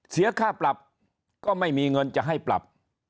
เสียค่าปรับก็ไม่มีเงินจะให้ปรับ